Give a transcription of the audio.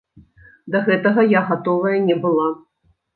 Да гэтага я гатовая не была.